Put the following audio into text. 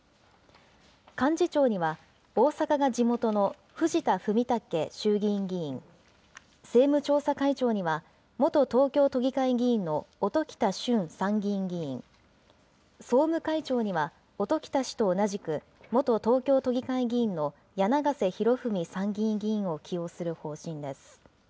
幹事長には、大阪が地元の藤田文武衆議院議員、政務調査会長には、元東京都議会議員の音喜多駿参議院議員、総務会長には、音喜多氏と同じく、元東京都議会議員の柳ヶ瀬裕文参議院議員を起用する方針です。